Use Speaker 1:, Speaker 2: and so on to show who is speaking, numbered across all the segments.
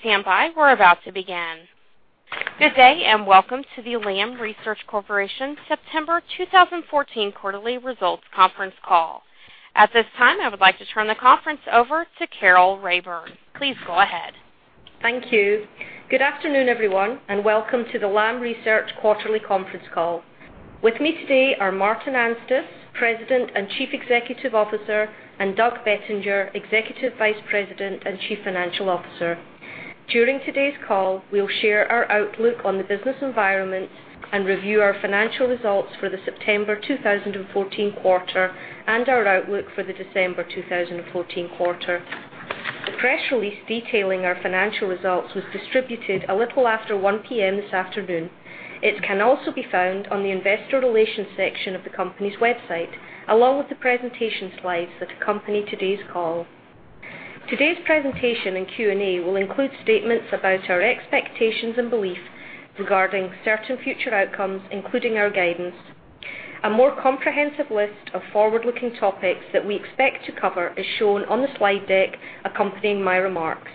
Speaker 1: Stand by. We're about to begin. Good day, welcome to the Lam Research Corporation September 2014 quarterly results conference call. At this time, I would like to turn the conference over to Carol Rayburn. Please go ahead.
Speaker 2: Thank you. Good afternoon, everyone, welcome to the Lam Research quarterly conference call. With me today are Martin Anstice, President and Chief Executive Officer, and Douglas Bettinger, Executive Vice President and Chief Financial Officer. During today's call, we'll share our outlook on the business environment and review our financial results for the September 2014 quarter and our outlook for the December 2014 quarter. The press release detailing our financial results was distributed a little after 1:00 P.M. this afternoon. It can also be found on the investor relations section of the company's website, along with the presentation slides that accompany today's call. Today's presentation and Q&A will include statements about our expectations and belief regarding certain future outcomes, including our guidance. A more comprehensive list of forward-looking topics that we expect to cover is shown on the slide deck accompanying my remarks.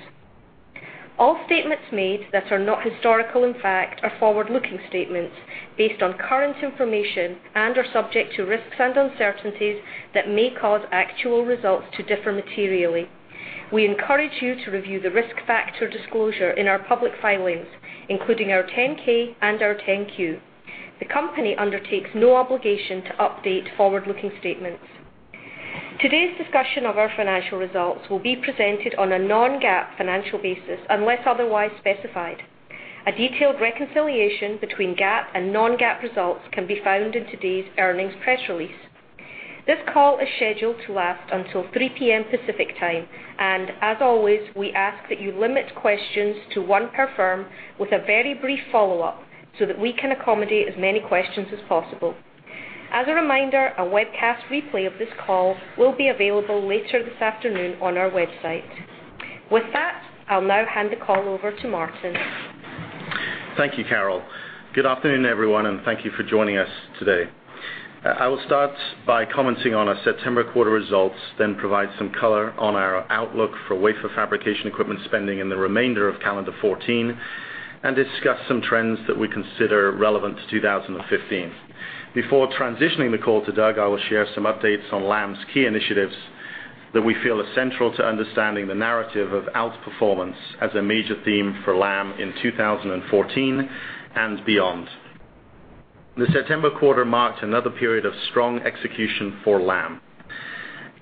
Speaker 2: All statements made that are not historical in fact are forward-looking statements based on current information and are subject to risks and uncertainties that may cause actual results to differ materially. We encourage you to review the risk factor disclosure in our public filings, including our 10-K and our 10-Q. The company undertakes no obligation to update forward-looking statements. Today's discussion of our financial results will be presented on a non-GAAP financial basis, unless otherwise specified. A detailed reconciliation between GAAP and non-GAAP results can be found in today's earnings press release. This call is scheduled to last until 3:00 P.M. Pacific Time, as always, we ask that you limit questions to one per firm with a very brief follow-up so that we can accommodate as many questions as possible. As a reminder, a webcast replay of this call will be available later this afternoon on our website. With that, I'll now hand the call over to Martin.
Speaker 3: Thank you, Carol. Good afternoon, everyone, and thank you for joining us today. I will start by commenting on our September quarter results, then provide some color on our outlook for wafer fabrication equipment spending in the remainder of calendar 2014, and discuss some trends that we consider relevant to 2015. Before transitioning the call to Doug, I will share some updates on Lam's key initiatives that we feel are central to understanding the narrative of outperformance as a major theme for Lam in 2014 and beyond. The September quarter marked another period of strong execution for Lam.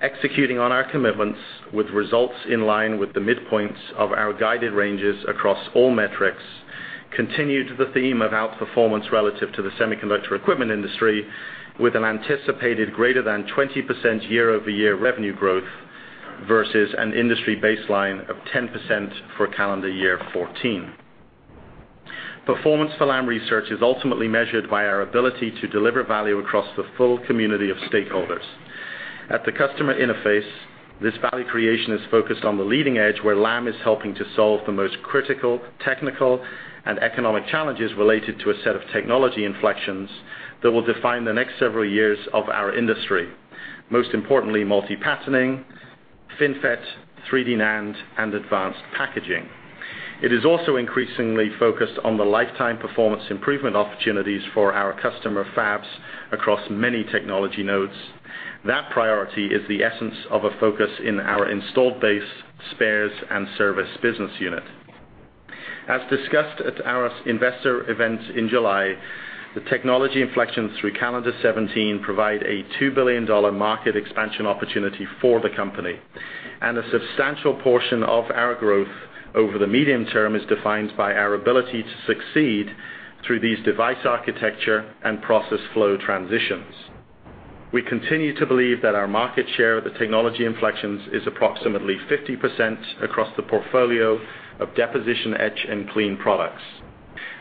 Speaker 3: Executing on our commitments with results in line with the midpoints of our guided ranges across all metrics continued the theme of outperformance relative to the semiconductor equipment industry, with an anticipated greater than 20% year-over-year revenue growth versus an industry baseline of 10% for calendar year 2014. Performance for Lam Research is ultimately measured by our ability to deliver value across the full community of stakeholders. At the customer interface, this value creation is focused on the leading edge, where Lam is helping to solve the most critical, technical, and economic challenges related to a set of technology inflections that will define the next several years of our industry, most importantly, multi-patterning, FinFET, 3D NAND, and advanced packaging. It is also increasingly focused on the lifetime performance improvement opportunities for our customer fabs across many technology nodes. That priority is the essence of a focus in our installed base spares and service business unit. As discussed at our investor event in July, the technology inflections through calendar 2017 provide a $2 billion market expansion opportunity for the company, and a substantial portion of our growth over the medium term is defined by our ability to succeed through these device architecture and process flow transitions. We continue to believe that our market share of the technology inflections is approximately 50% across the portfolio of deposition, etch, and clean products.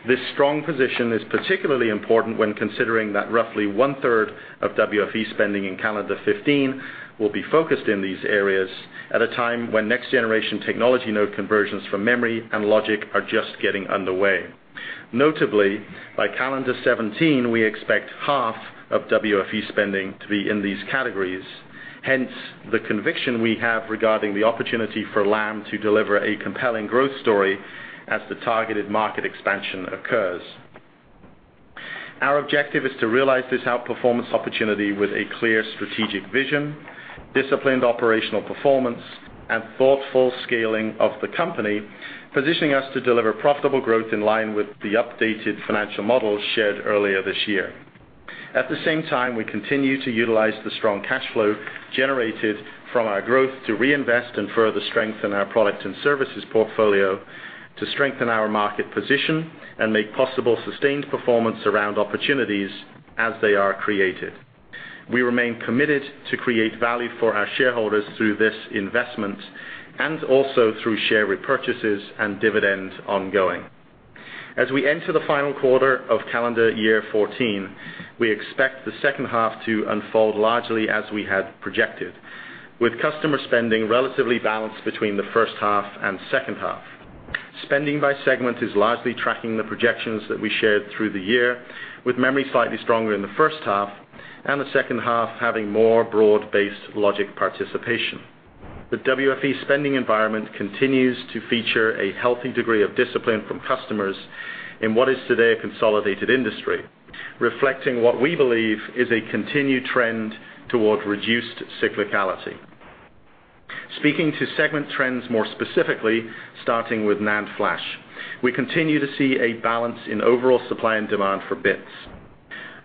Speaker 3: This strong position is particularly important when considering that roughly one-third of WFE spending in calendar 2015 will be focused in these areas at a time when next-generation technology node conversions for memory and logic are just getting underway. Notably, by calendar 2017, we expect half of WFE spending to be in these categories, hence the conviction we have regarding the opportunity for Lam to deliver a compelling growth story as the targeted market expansion occurs. Our objective is to realize this outperformance opportunity with a clear strategic vision, disciplined operational performance, and thoughtful scaling of the company, positioning us to deliver profitable growth in line with the updated financial model shared earlier this year. At the same time, we continue to utilize the strong cash flow generated from our growth to reinvest and further strengthen our product and services portfolio to strengthen our market position and make possible sustained performance around opportunities as they are created. We remain committed to create value for our shareholders through this investment and also through share repurchases and dividends ongoing. As we enter the final quarter of calendar year 2014, we expect the second half to unfold largely as we had projected, with customer spending relatively balanced between the first half and second half. Spending by segment is largely tracking the projections that we shared through the year, with memory slightly stronger in the first half. The second half having more broad-based logic participation. The WFE spending environment continues to feature a healthy degree of discipline from customers in what is today a consolidated industry, reflecting what we believe is a continued trend towards reduced cyclicality. Speaking to segment trends more specifically, starting with NAND flash. We continue to see a balance in overall supply and demand for bits.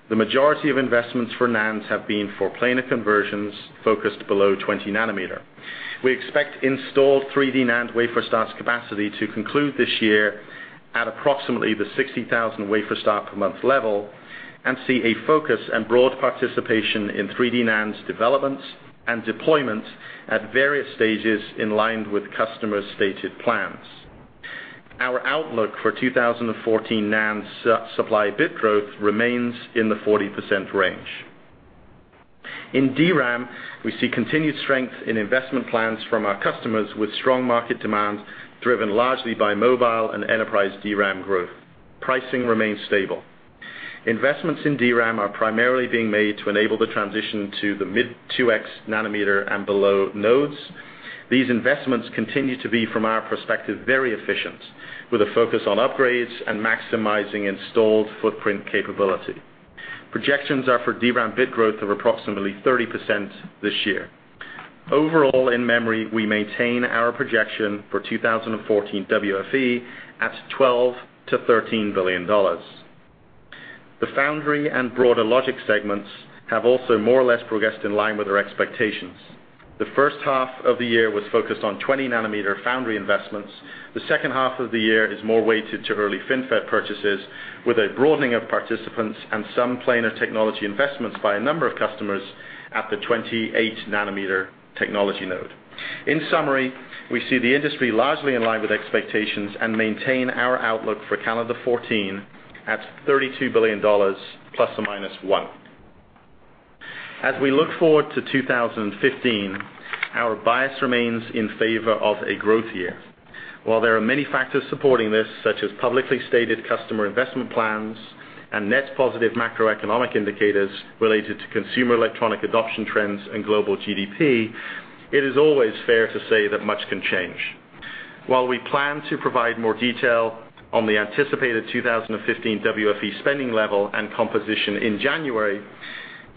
Speaker 3: The majority of investments for NANDs have been for planar conversions focused below 20 nanometer. We expect installed 3D NAND wafer starts capacity to conclude this year at approximately the 60,000 wafer start per month level, and see a focus and broad participation in 3D NAND development and deployment at various stages in line with customers' stated plans. Our outlook for 2014 NAND supply bit growth remains in the 40% range. In DRAM, we see continued strength in investment plans from our customers with strong market demand, driven largely by mobile and enterprise DRAM growth. Pricing remains stable. Investments in DRAM are primarily being made to enable the transition to the mid-2x nanometer and below nodes. These investments continue to be, from our perspective, very efficient, with a focus on upgrades and maximizing installed footprint capability. Projections are for DRAM bit growth of approximately 30% this year. Overall, in memory, we maintain our projection for 2014 WFE at $12 billion-$13 billion. The foundry and broader logic segments have also more or less progressed in line with our expectations. The first half of the year was focused on 20 nanometer foundry investments. The second half of the year is more weighted to early FinFET purchases, with a broadening of participants and some planar technology investments by a number of customers at the 28 nanometer technology node. In summary, we see the industry largely in line with expectations and maintain our outlook for calendar 2014 at $32 billion ±1 billion. As we look forward to 2015, our bias remains in favor of a growth year. While there are many factors supporting this, such as publicly stated customer investment plans and net positive macroeconomic indicators related to consumer electronic adoption trends and global GDP, it is always fair to say that much can change. While we plan to provide more detail on the anticipated 2015 WFE spending level and composition in January,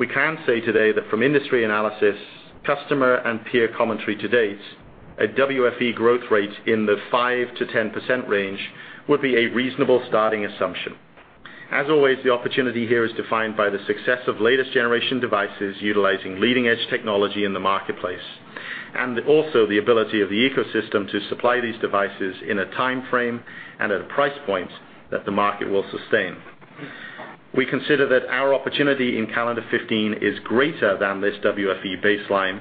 Speaker 3: we can say today that from industry analysis, customer and peer commentary to date, a WFE growth rate in the 5%-10% range would be a reasonable starting assumption. As always, the opportunity here is defined by the success of latest generation devices utilizing leading-edge technology in the marketplace, and also the ability of the ecosystem to supply these devices in a timeframe and at a price point that the market will sustain. We consider that our opportunity in calendar 2015 is greater than this WFE baseline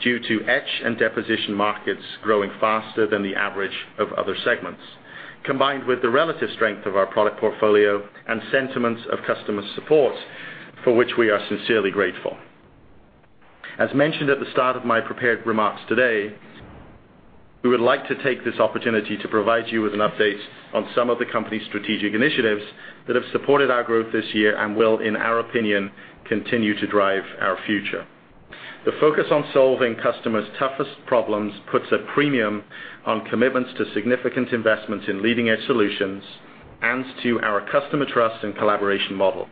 Speaker 3: due to etch and deposition markets growing faster than the average of other segments, combined with the relative strength of our product portfolio and sentiments of customer support, for which we are sincerely grateful. As mentioned at the start of my prepared remarks today, we would like to take this opportunity to provide you with an update on some of the company's strategic initiatives that have supported our growth this year and will, in our opinion, continue to drive our future. The focus on solving customers' toughest problems puts a premium on commitments to significant investments in leading-edge solutions and to our customer trust and collaboration model.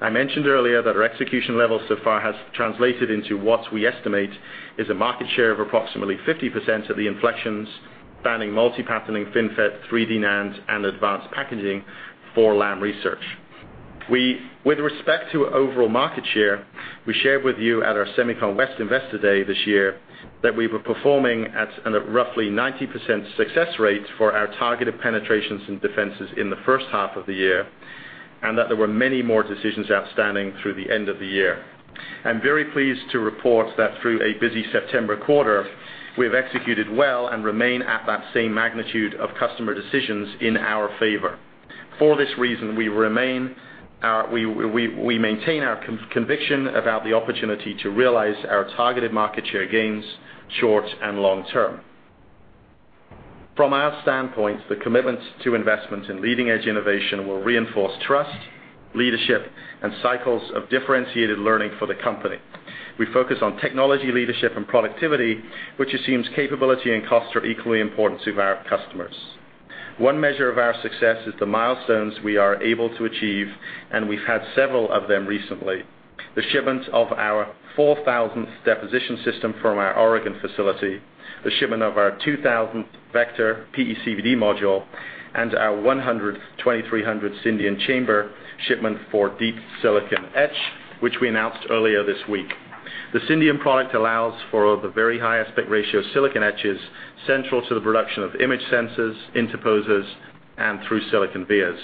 Speaker 3: I mentioned earlier that our execution level so far has translated into what we estimate is a market share of approximately 50% of the inflections spanning multi-patterning, FinFET, 3D NAND, and advanced packaging for Lam Research. With respect to overall market share, we shared with you at our SEMICON West Investor Day this year that we were performing at a roughly 90% success rate for our targeted penetrations and defenses in the first half of the year, and that there were many more decisions outstanding through the end of the year. I'm very pleased to report that through a busy September quarter, we have executed well and remain at that same magnitude of customer decisions in our favor. For this reason, we maintain our conviction about the opportunity to realize our targeted market share gains, short and long term. From our standpoint, the commitments to investments in leading-edge innovation will reinforce trust, leadership, and cycles of differentiated learning for the company. We focus on technology leadership and productivity, which assumes capability and cost are equally important to our customers. One measure of our success is the milestones we are able to achieve, and we've had several of them recently. The shipment of our 4,000th deposition system from our Oregon facility, the shipment of our 2,000th VECTOR PECVD module, and our 12,300th Syndion chamber shipment for deep silicon etch, which we announced earlier this week. The Syndion product allows for the very high aspect ratio silicon etches central to the production of image sensors, interposers, and through-silicon vias,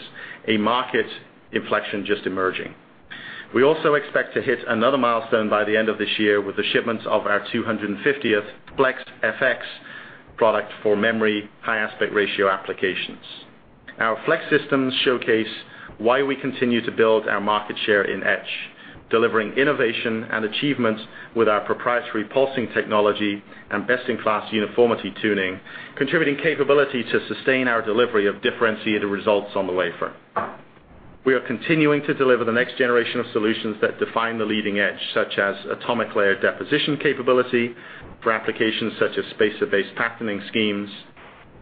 Speaker 3: a market inflection just emerging. We also expect to hit another milestone by the end of this year with the shipments of our 250th Flex FX product for memory high aspect ratio applications. Our Flex systems showcase why we continue to build our market share in etch, delivering innovation and achievements with our proprietary pulsing technology and best-in-class uniformity tuning, contributing capability to sustain our delivery of differentiated results on the wafer. We are continuing to deliver the next generation of solutions that define the leading edge, such as atomic layer deposition capability for applications such as spacer-based patterning schemes,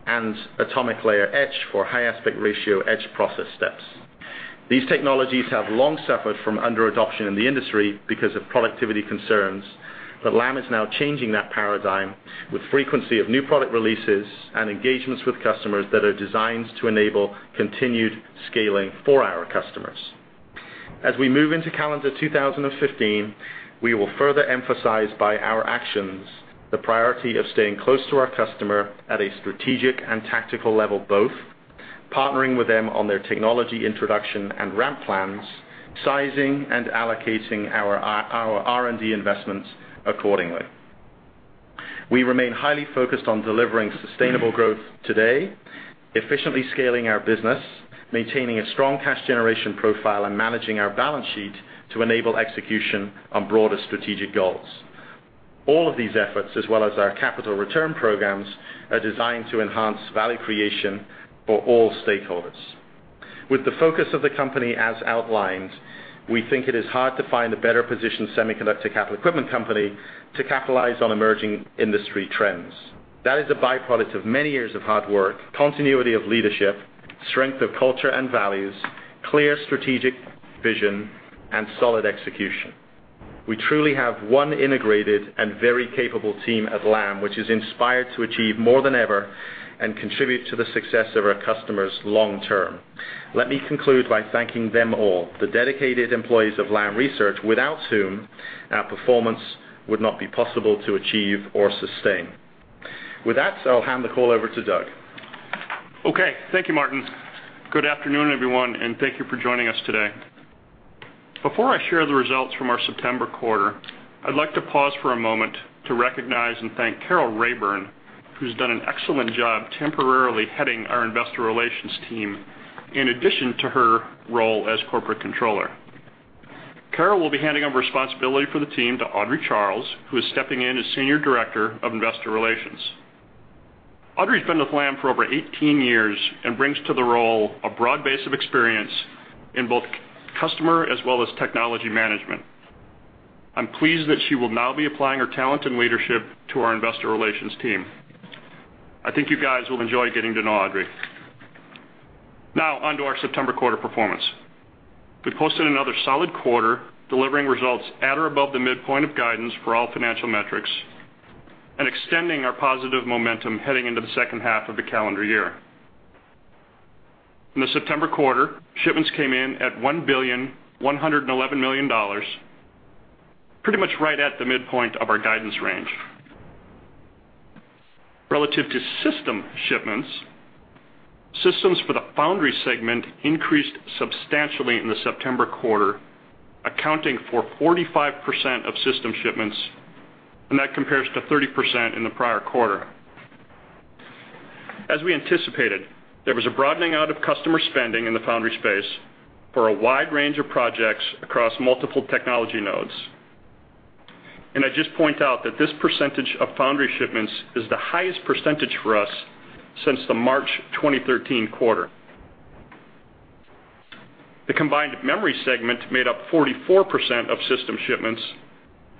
Speaker 3: and atomic layer etch for high aspect ratio etch process steps. These technologies have long suffered from under-adoption in the industry because of productivity concerns. Lam is now changing that paradigm with frequency of new product releases and engagements with customers that are designed to enable continued scaling for our customers. As we move into calendar 2015, we will further emphasize by our actions the priority of staying close to our customer at a strategic and tactical level both, partnering with them on their technology introduction and ramp plans, sizing and allocating our R&D investments accordingly. We remain highly focused on delivering sustainable growth today, efficiently scaling our business, maintaining a strong cash generation profile, and managing our balance sheet to enable execution on broader strategic goals. All of these efforts, as well as our capital return programs, are designed to enhance value creation for all stakeholders. With the focus of the company as outlined, we think it is hard to find a better-positioned semiconductor capital equipment company to capitalize on emerging industry trends. That is a byproduct of many years of hard work, continuity of leadership, strength of culture and values, clear strategic vision, and solid execution. We truly have one integrated and very capable team at Lam, which is inspired to achieve more than ever and contribute to the success of our customers long term. Let me conclude by thanking them all, the dedicated employees of Lam Research, without whom our performance would not be possible to achieve or sustain. With that, I'll hand the call over to Doug.
Speaker 4: Okay. Thank you, Martin. Good afternoon, everyone, and thank you for joining us today. Before I share the results from our September quarter, I'd like to pause for a moment to recognize and thank Carol Rayburn, who's done an excellent job temporarily heading our investor relations team, in addition to her role as corporate controller. Carol will be handing over responsibility for the team to Audrey Charles, who is stepping in as Senior Director of Investor Relations. Audrey's been with Lam for over 18 years and brings to the role a broad base of experience in both customer as well as technology management. I'm pleased that she will now be applying her talent and leadership to our investor relations team. I think you guys will enjoy getting to know Audrey. Now, on to our September quarter performance. We posted another solid quarter, delivering results at or above the midpoint of guidance for all financial metrics and extending our positive momentum heading into the second half of the calendar year. In the September quarter, shipments came in at $1,111,000,000, pretty much right at the midpoint of our guidance range. Relative to system shipments, systems for the foundry segment increased substantially in the September quarter, accounting for 45% of system shipments, and that compares to 30% in the prior quarter. As we anticipated, there was a broadening out of customer spending in the foundry space for a wide range of projects across multiple technology nodes. I'd just point out that this percentage of foundry shipments is the highest percentage for us since the March 2013 quarter. The combined memory segment made up 44% of system shipments,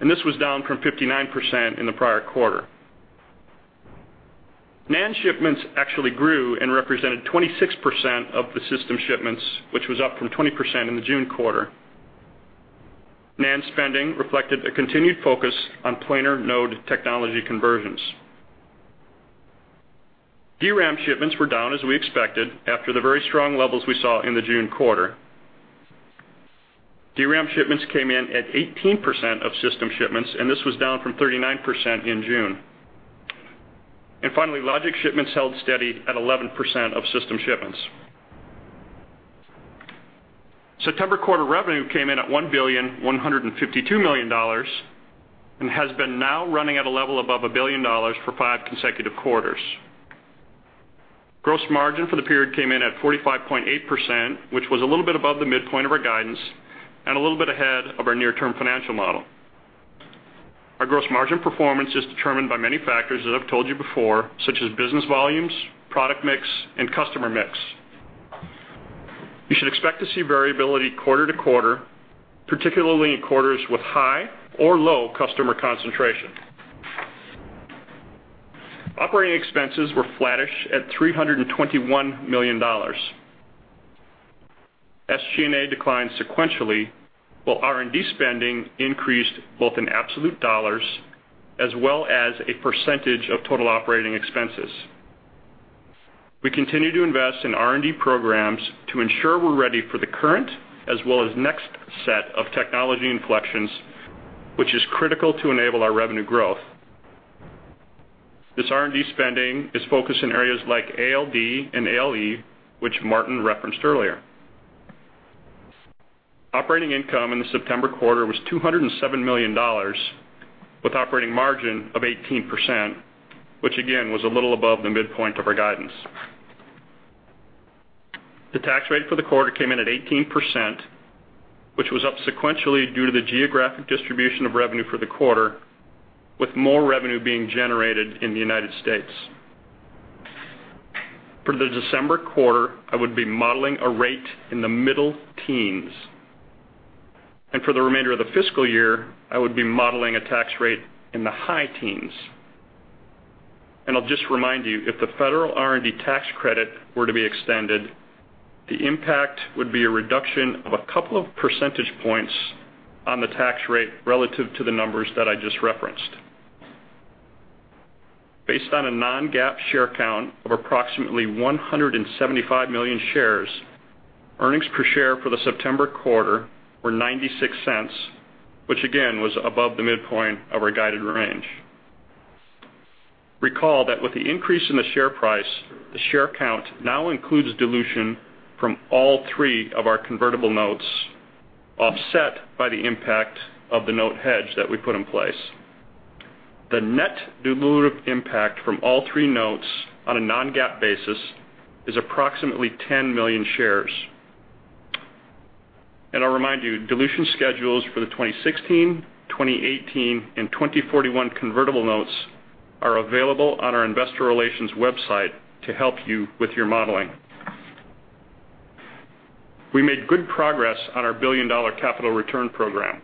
Speaker 4: and this was down from 59% in the prior quarter. NAND shipments actually grew and represented 26% of the system shipments, which was up from 20% in the June quarter. NAND spending reflected a continued focus on planar node technology conversions. DRAM shipments were down, as we expected, after the very strong levels we saw in the June quarter. DRAM shipments came in at 18% of system shipments, and this was down from 39% in June. Finally, logic shipments held steady at 11% of system shipments. September quarter revenue came in at $1,152,000,000 and has been now running at a level above a billion dollars for five consecutive quarters. Gross margin for the period came in at 45.8%, which was a little bit above the midpoint of our guidance and a little bit ahead of our near-term financial model. Our gross margin performance is determined by many factors, as I've told you before, such as business volumes, product mix, and customer mix. You should expect to see variability quarter to quarter, particularly in quarters with high or low customer concentration. Operating expenses were flattish at $321 million. SG&A declined sequentially, while R&D spending increased both in absolute dollars as well as a percentage of total operating expenses. We continue to invest in R&D programs to ensure we're ready for the current as well as next set of technology inflections, which is critical to enable our revenue growth. This R&D spending is focused in areas like ALD and ALE, which Martin referenced earlier. Operating income in the September quarter was $207 million, with operating margin of 18%, which, again, was a little above the midpoint of our guidance. The tax rate for the quarter came in at 18%, which was up sequentially due to the geographic distribution of revenue for the quarter, with more revenue being generated in the U.S. For the December quarter, I would be modeling a rate in the middle teens. For the remainder of the fiscal year, I would be modeling a tax rate in the high teens. I'll just remind you, if the federal R&D tax credit were to be extended, the impact would be a reduction of a couple of percentage points on the tax rate relative to the numbers that I just referenced. Based on a non-GAAP share count of approximately 175 million shares, earnings per share for the September quarter were $0.96, which again, was above the midpoint of our guided range. Recall that with the increase in the share price, the share count now includes dilution from all three of our convertible notes, offset by the impact of the note hedge that we put in place. The net dilutive impact from all three notes on a non-GAAP basis is approximately 10 million shares. I'll remind you, dilution schedules for the 2016, 2018, and 2041 convertible notes are available on our investor relations website to help you with your modeling. We made good progress on our billion-dollar capital return program.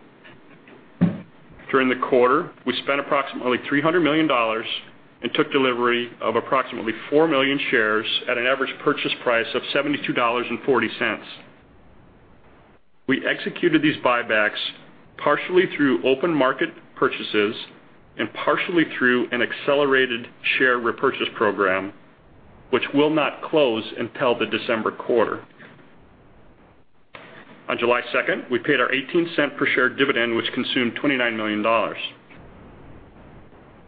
Speaker 4: During the quarter, we spent approximately $300 million and took delivery of approximately four million shares at an average purchase price of $72.40. We executed these buybacks partially through open market purchases and partially through an accelerated share repurchase program, which will not close until the December quarter. On July 2nd, we paid our $0.18 per share dividend, which consumed $29 million.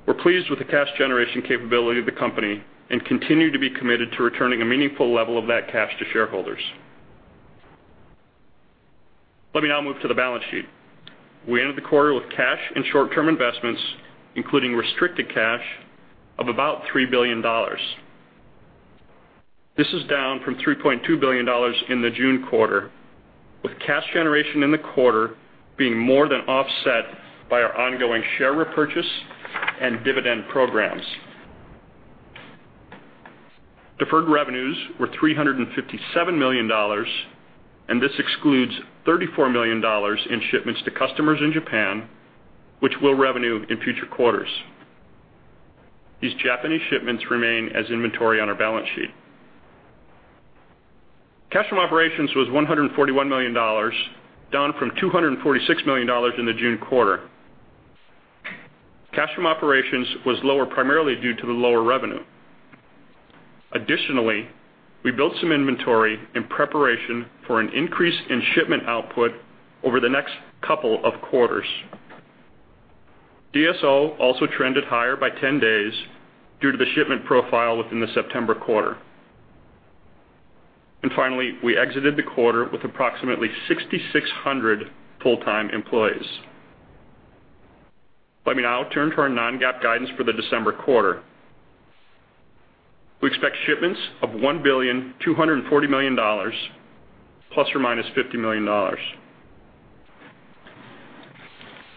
Speaker 4: We're pleased with the cash generation capability of the company and continue to be committed to returning a meaningful level of that cash to shareholders. Let me now move to the balance sheet. We ended the quarter with cash and short-term investments, including restricted cash, of about $3 billion. This is down from $3.2 billion in the June quarter, with cash generation in the quarter being more than offset by our ongoing share repurchase and dividend programs. Deferred revenues were $357 million, and this excludes $34 million in shipments to customers in Japan, which will revenue in future quarters. These Japanese shipments remain as inventory on our balance sheet. Cash from operations was $141 million, down from $246 million in the June quarter. Cash from operations was lower primarily due to the lower revenue. Additionally, we built some inventory in preparation for an increase in shipment output over the next couple of quarters. DSO also trended higher by 10 days due to the shipment profile within the September quarter. Finally, we exited the quarter with approximately 6,600 full-time employees. Let me now turn to our non-GAAP guidance for the December quarter. We expect shipments of $1.24 billion, ±$50 million.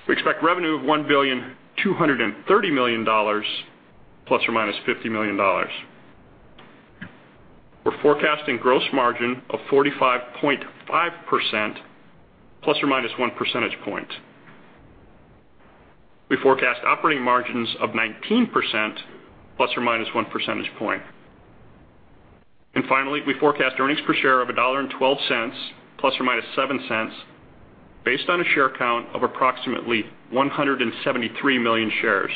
Speaker 4: We expect revenue of $1.23 billion, ±$50 million. We're forecasting gross margin of 45.5%, ±one percentage point. We forecast operating margins of 19%, ±one percentage point. Finally, we forecast earnings per share of $1.12, ±$0.07, based on a share count of approximately 173 million shares.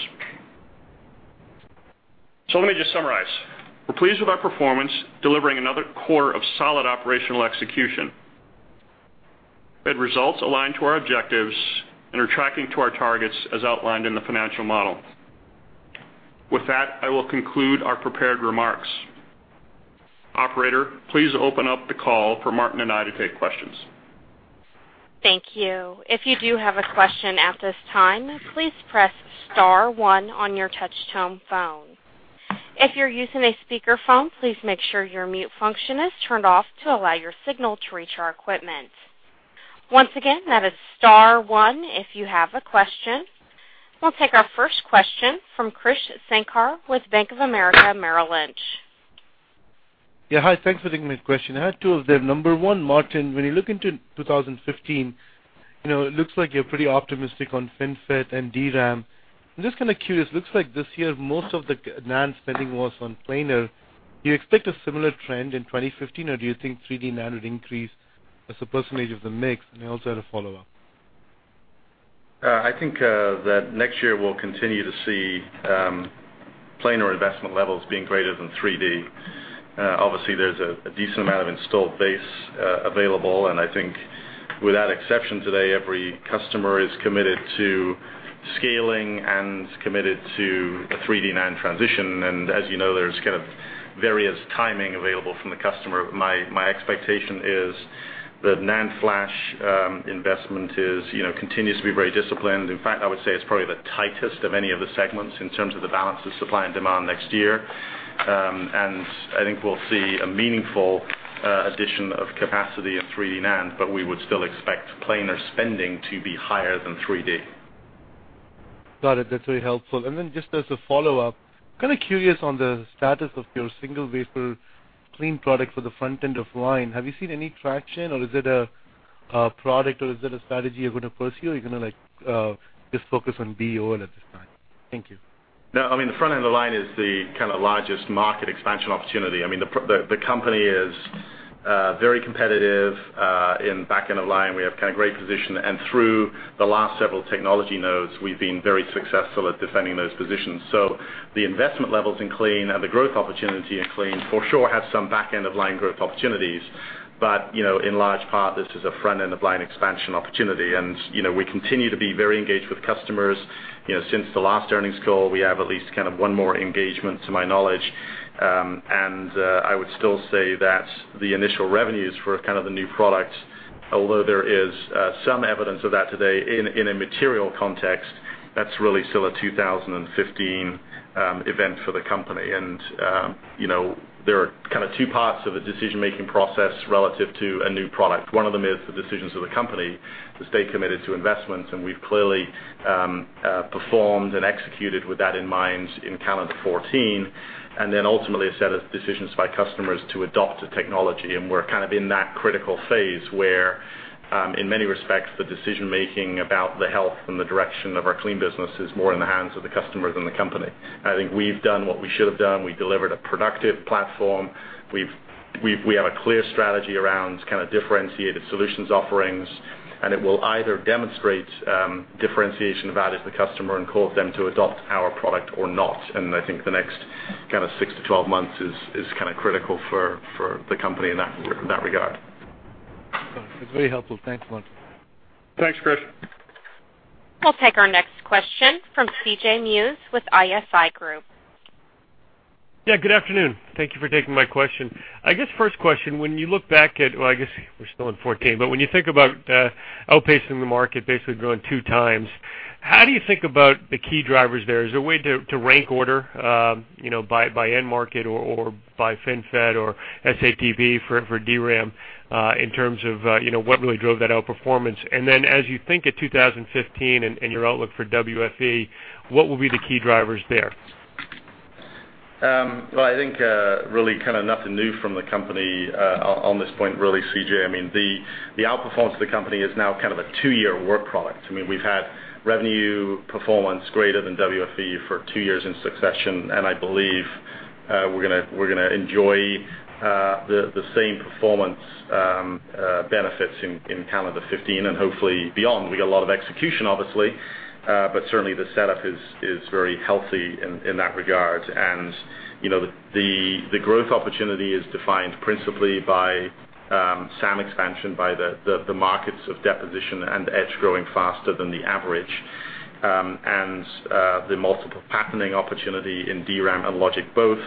Speaker 4: Let me just summarize. We're pleased with our performance, delivering another quarter of solid operational execution. We had results aligned to our objectives and are tracking to our targets as outlined in the financial model. With that, I will conclude our prepared remarks. Operator, please open up the call for Martin and I to take questions.
Speaker 1: Thank you. If you do have a question at this time, please press star 1 on your touch-tone phone. If you're using a speakerphone, please make sure your mute function is turned off to allow your signal to reach our equipment. Once again, that is star 1 if you have a question. We'll take our first question from Krish Sankar with Bank of America Merrill Lynch.
Speaker 5: Yeah, hi. Thanks for taking my question. I have two of them. Number one, Martin, when you look into 2015, it looks like you're pretty optimistic on FinFET and DRAM. I'm just kind of curious, looks like this year, most of the NAND spending was on planar. Do you expect a similar trend in 2015, or do you think 3D NAND would increase as a percentage of the mix? I also had a follow-up.
Speaker 4: I think that next year we'll continue to see planar investment levels being greater than 3D. Obviously, there's a decent amount of installed base available, I think without exception today, every customer is committed to scaling and committed to a 3D NAND transition. As you know, there's kind of various timing available from the customer. My expectation is that NAND flash investment continues to be very disciplined. In fact, I would say it's probably the tightest of any of the segments in terms of the balance of supply and demand next year. I think we'll see a meaningful addition of capacity in 3D NAND, but we would still expect planar spending to be higher than 3D.
Speaker 5: Got it. That's very helpful. Then just as a follow-up, kind of curious on the status of your single wafer clean product for the front-end of line. Have you seen any traction, or is it a product, or is it a strategy you're going to pursue, or are you going to just focus on BEOL at this time? Thank you.
Speaker 3: No, the front-end of line is the kind of largest market expansion opportunity. The company is very competitive in back-end of line. We have great position, through the last several technology nodes, we've been very successful at defending those positions. The investment levels in clean and the growth opportunity in clean for sure have some back-end of line growth opportunities. In large part, this is a front-end of line expansion opportunity, we continue to be very engaged with customers. Since the last earnings call, we have at least one more engagement, to my knowledge. I would still say that the initial revenues for kind of the new product, although there is some evidence of that today in a material context, that's really still a 2015 event for the company. There are kind of two parts of a decision-making process relative to a new product. One of them is the decisions of the company to stay committed to investments, we've clearly performed and executed with that in mind in calendar 2014, then ultimately a set of decisions by customers to adopt a technology. We're kind of in that critical phase where, in many respects, the decision-making about the health and the direction of our clean business is more in the hands of the customer than the company. I think we've done what we should have done. We delivered a productive platform. We have a clear strategy around kind of differentiated solutions offerings, and it will either demonstrate differentiation of value to the customer and cause them to adopt our product or not. I think the next kind of six to 12 months is kind of critical for the company in that regard.
Speaker 5: Got it. That's very helpful. Thanks a lot.
Speaker 4: Thanks, Krish.
Speaker 1: We'll take our next question from C.J. Muse with ISI Group.
Speaker 6: Yeah, good afternoon. Thank you for taking my question. I guess first question, when you look back at, well, I guess we're still in 2014, but when you think about outpacing the market, basically growing two times, how do you think about the key drivers there? Is there a way to rank order by end market or by FinFET or SADP for DRAM in terms of what really drove that outperformance? Then as you think at 2015 and your outlook for WFE, what will be the key drivers there?
Speaker 3: Well, I think really kind of nothing new from the company on this point, really, C.J. The outperformance of the company is now kind of a two-year work product. We've had revenue performance greater than WFE for two years in succession. I believe we're going to enjoy the same performance benefits in calendar 2015 and hopefully beyond. We got a lot of execution, obviously, but certainly the setup is very healthy in that regard. The growth opportunity is defined principally by SAM expansion, by the markets of deposition and etch growing faster than the average. The multi-patterning opportunity in DRAM and logic both,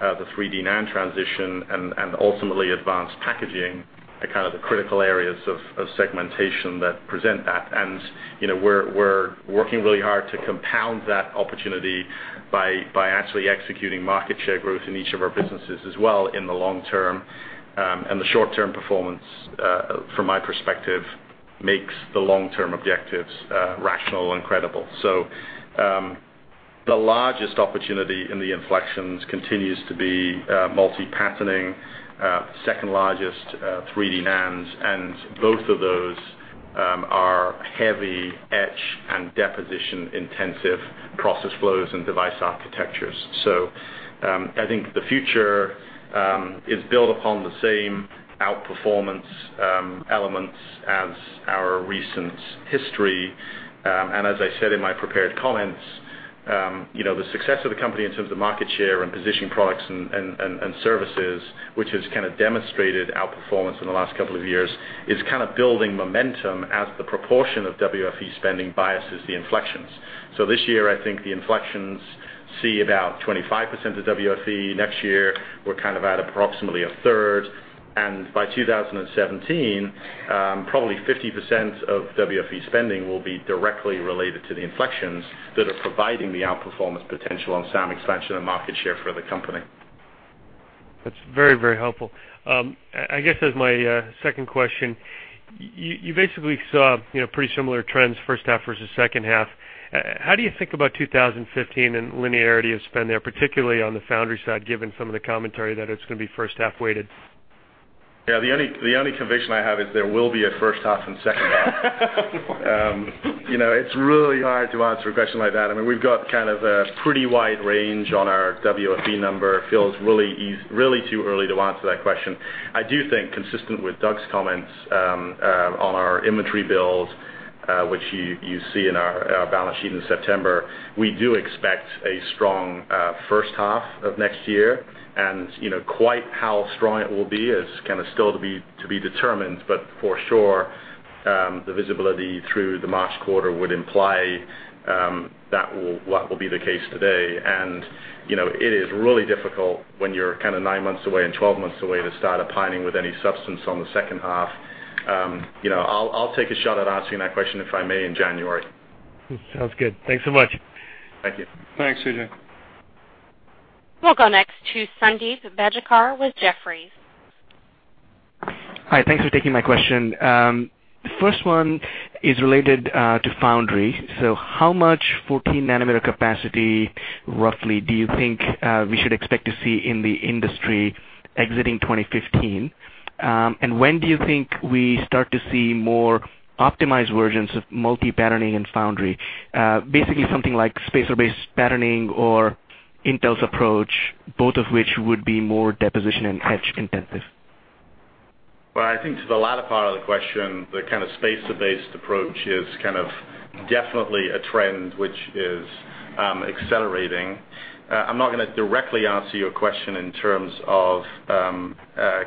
Speaker 3: the 3D NAND transition, and ultimately advanced packaging are kind of the critical areas of segmentation that present that. We're working really hard to compound that opportunity by actually executing market share growth in each of our businesses as well in the long term. The short-term performance, from my perspective, makes the long-term objectives rational and credible. The largest opportunity in the inflections continues to be multi-patterning, second largest 3D NAND, and both of those are heavy etch and deposition-intensive process flows and device architectures. I think the future is built upon the same outperformance elements as our recent history. As I said in my prepared comments, the success of the company in terms of market share and positioning products and services, which has kind of demonstrated outperformance in the last couple of years, is kind of building momentum as the proportion of WFE spending biases the inflections. This year, I think the inflections see about 25% of WFE. Next year, we're kind of at approximately a third. By 2017, probably 50% of WFE spending will be directly related to the inflections that are providing the outperformance potential on SAM expansion and market share for the company.
Speaker 6: That's very helpful. I guess as my second question, you basically saw pretty similar trends first half versus second half. How do you think about 2015 and linearity of spend there, particularly on the foundry side, given some of the commentary that it's going to be first half weighted?
Speaker 3: Yeah, the only conviction I have is there will be a first half and second half. It's really hard to answer a question like that. We've got kind of a pretty wide range on our WFE number. It feels really too early to answer that question. I do think, consistent with Doug's comments on our inventory build, which you see in our balance sheet in September, we do expect a strong first half of next year. Quite how strong it will be is kind of still to be determined, but for sure, the visibility through the March quarter would imply that will be the case today. It is really difficult when you're kind of nine months away and 12 months away to start opining with any substance on the second half. I'll take a shot at answering that question, if I may, in January.
Speaker 6: Sounds good. Thanks so much.
Speaker 3: Thank you.
Speaker 4: Thanks, C.J.
Speaker 1: We'll go next to Sundeep Bajikar with Jefferies.
Speaker 7: Hi, thanks for taking my question. First one is related to foundry. How much 14 nanometer capacity, roughly, do you think we should expect to see in the industry exiting 2015? When do you think we start to see more optimized versions of multi-patterning in foundry? Basically, something like spacer-based patterning or Intel's approach, both of which would be more deposition and etch intensive.
Speaker 3: I think to the latter part of the question, the kind of spacer-based patterning approach is kind of definitely a trend which is accelerating. I'm not going to directly answer your question in terms of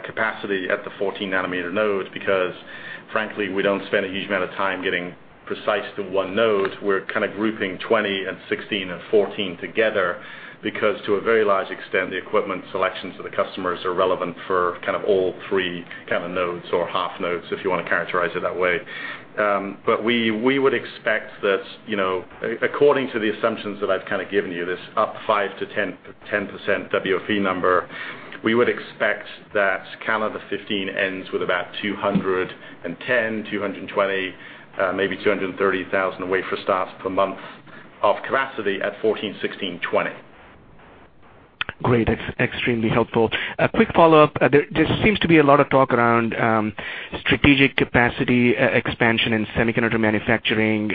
Speaker 3: capacity at the 14 nanometer node, because frankly, we don't spend a huge amount of time getting precise to one node. We're kind of grouping 20 and 16 and 14 together, because to a very large extent, the equipment selections to the customers are relevant for kind of all three kind of nodes or half nodes, if you want to characterize it that way. We would expect that according to the assumptions that I've kind of given you, this up 5%-10% WFE number, we would expect that calendar 2015 ends with about 210,000, 220,000, maybe 230,000 wafer starts per month of capacity at 14, 16, 20.
Speaker 7: Great. That's extremely helpful. A quick follow-up. There seems to be a lot of talk around strategic capacity expansion in semiconductor manufacturing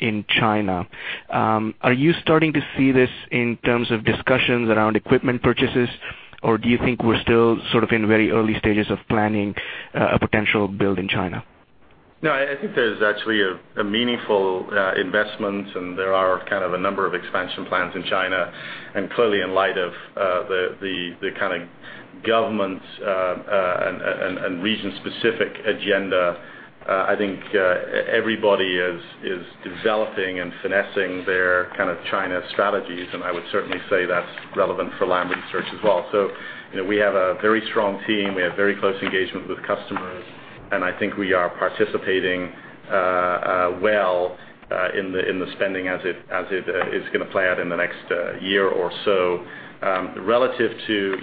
Speaker 7: in China. Are you starting to see this in terms of discussions around equipment purchases, or do you think we're still sort of in very early stages of planning a potential build in China?
Speaker 3: I think there's actually a meaningful investment, there are kind of a number of expansion plans in China, clearly in light of the kind of government and region-specific agenda, I think everybody is developing and finessing their kind of China strategies, I would certainly say that's relevant for Lam Research as well. We have a very strong team. We have very close engagement with customers, I think we are participating well in the spending as it is going to play out in the next year or so. Relative to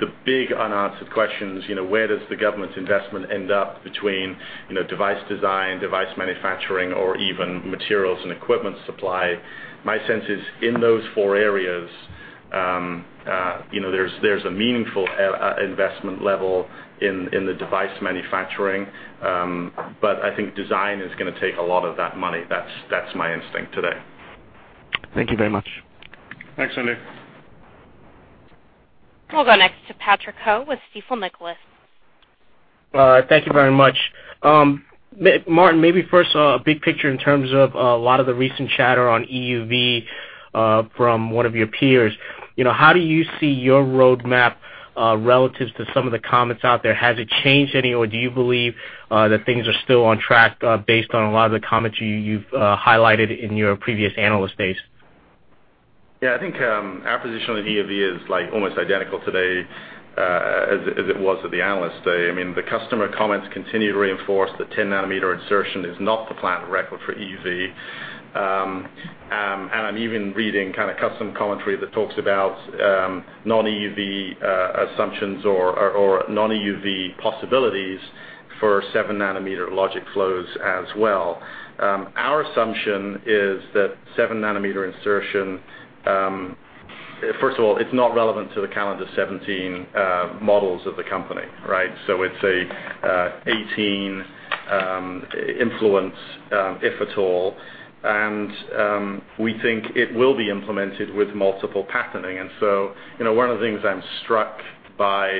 Speaker 3: the big unanswered questions, where does the government's investment end up between device design, device manufacturing, or even materials and equipment supply? My sense is in those four areas, there's a meaningful investment level in the device manufacturing. I think design is going to take a lot of that money. That's my instinct today.
Speaker 7: Thank you very much.
Speaker 3: Thanks, Sundeep.
Speaker 1: We'll go next to Patrick Ho with Stifel Nicolaus.
Speaker 8: Thank you very much. Martin, maybe first a big picture in terms of a lot of the recent chatter on EUV from one of your peers. How do you see your roadmap relative to some of the comments out there? Has it changed any, or do you believe that things are still on track based on a lot of the comments you've highlighted in your previous Analyst Days?
Speaker 3: Yeah, I think our position on EUV is almost identical today as it was at the Analyst Day. The customer comments continue to reinforce that 10 nanometer insertion is not the plan of record for EUV. I'm even reading kind of custom commentary that talks about non-EUV assumptions or non-EUV possibilities for 7-nanometer logic flows as well. Our assumption is that 7-nanometer insertion, first of all, it's not relevant to the calendar 2017 models of the company, right? It's a 2018 influence, if at all. We think it will be implemented with multi-patterning. One of the things I'm struck by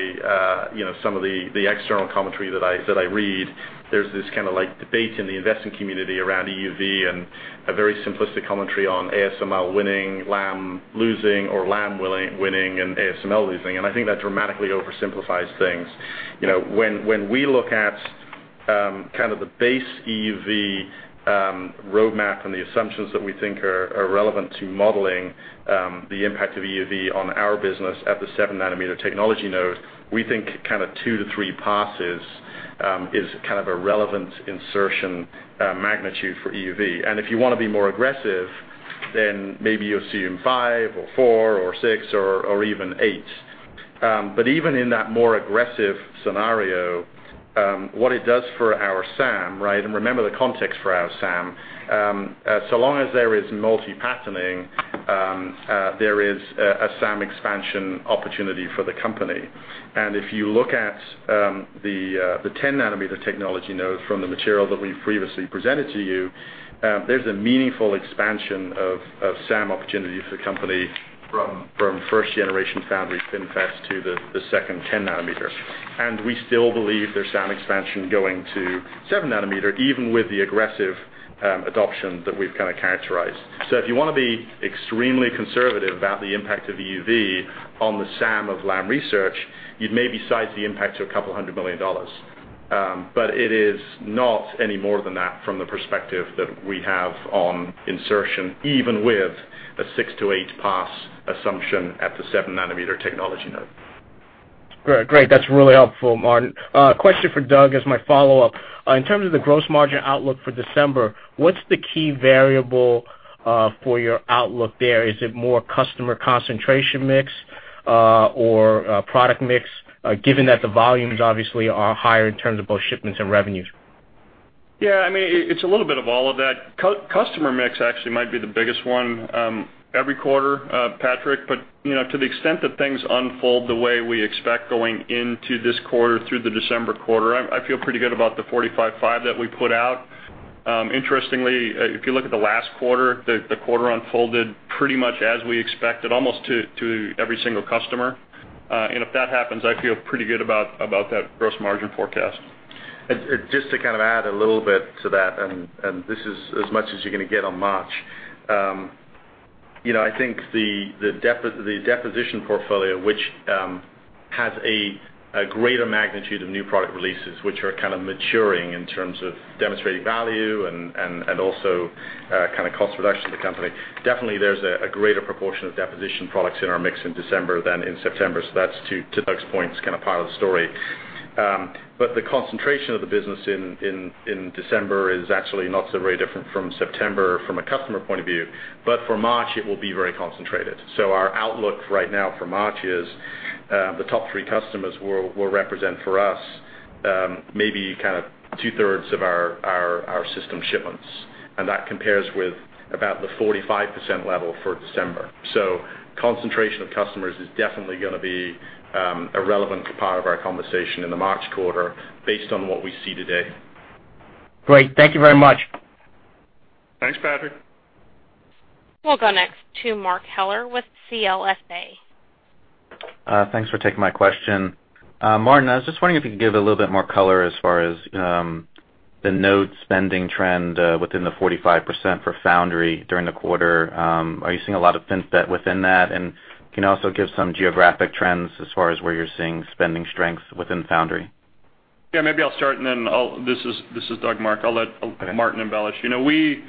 Speaker 3: some of the external commentary that I read, there's this kind of debate in the investing community around EUV and a very simplistic commentary on ASML winning, Lam losing, or Lam winning and ASML losing, and I think that dramatically oversimplifies things. When we look at kind of the base EUV roadmap and the assumptions that we think are relevant to modeling the impact of EUV on our business at the 7-nanometer technology node, we think kind of 2 to 3 passes is kind of a relevant insertion magnitude for EUV. If you want to be more aggressive, then maybe you're seeing 5 or 4 or 6 or even 8. Even in that more aggressive scenario, what it does for our SAM, right? Remember the context for our SAM. Long as there is multi-patterning, there is a SAM expansion opportunity for the company. If you look at the 10 nanometer technology node from the material that we've previously presented to you, there's a meaningful expansion of SAM opportunity for the company from first generation foundry FinFET to the second 10 nanometers. We still believe there's SAM expansion going to 7-nanometer, even with the aggressive adoption that we've kind of characterized. If you want to be extremely conservative about the impact of EUV on the SAM of Lam Research, you'd maybe size the impact to $200 million. It is not any more than that from the perspective that we have on insertion, even with a 6-8 pass assumption at the 7-nanometer technology node.
Speaker 8: Great. That's really helpful, Martin. A question for Doug as my follow-up. In terms of the gross margin outlook for December, what's the key variable for your outlook there? Is it more customer concentration mix or product mix, given that the volumes obviously are higher in terms of both shipments and revenues?
Speaker 4: It's a little bit of all of that. Customer mix actually might be the biggest one every quarter, Patrick, to the extent that things unfold the way we expect going into this quarter through the December quarter, I feel pretty good about the 45.5% that we put out. Interestingly, if you look at the last quarter, the quarter unfolded pretty much as we expected, almost to every single customer. If that happens, I feel pretty good about that gross margin forecast.
Speaker 3: Just to add a little bit to that, this is as much as you're going to get on March. I think the deposition portfolio, which has a greater magnitude of new product releases, which are maturing in terms of demonstrating value and also cost reduction to the company. Definitely, there's a greater proportion of deposition products in our mix in December than in September. That's, to Doug's point, is part of the story. The concentration of the business in December is actually not so very different from September from a customer point of view. For March, it will be very concentrated. Our outlook right now for March is, the top three customers will represent for us maybe two-thirds of our system shipments, and that compares with about the 45% level for December. Concentration of customers is definitely going to be a relevant part of our conversation in the March quarter based on what we see today.
Speaker 8: Great. Thank you very much.
Speaker 4: Thanks, Patrick.
Speaker 1: We'll go next to Mark Heller with CLSA.
Speaker 9: Thanks for taking my question. Martin, I was just wondering if you could give a little bit more color as far as the node spending trend within the 45% for foundry during the quarter. Are you seeing a lot of FinFET within that? Can you also give some geographic trends as far as where you're seeing spending strengths within foundry?
Speaker 4: Maybe I'll start, then this is Doug, Mark. I'll let Martin embellish. We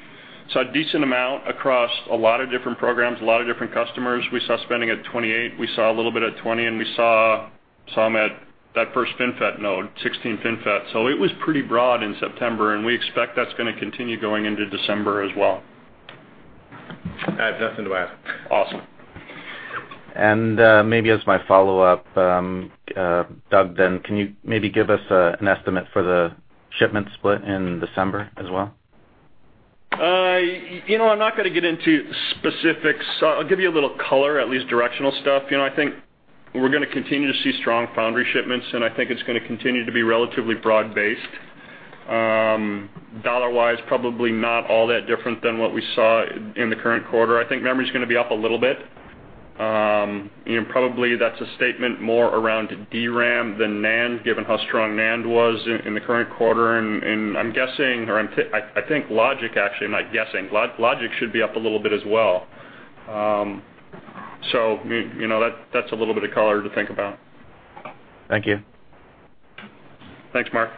Speaker 4: saw a decent amount across a lot of different programs, a lot of different customers. We saw spending at 28, we saw a little bit at 20, we saw some at that first FinFET node, 16 FinFET. It was pretty broad in September, we expect that's going to continue going into December as well.
Speaker 3: I have nothing to add.
Speaker 4: Awesome.
Speaker 9: Maybe as my follow-up, Doug, then, can you maybe give us an estimate for the shipment split in December as well?
Speaker 4: I'm not going to get into specifics. I'll give you a little color, at least directional stuff. I think we're going to continue to see strong foundry shipments, and I think it's going to continue to be relatively broad-based. Dollar-wise, probably not all that different than what we saw in the current quarter. I think memory is going to be up a little bit. Probably that's a statement more around DRAM than NAND, given how strong NAND was in the current quarter, and I think Logic actually, I'm not guessing, Logic should be up a little bit as well. That's a little bit of color to think about.
Speaker 9: Thank you.
Speaker 4: Thanks, Mark.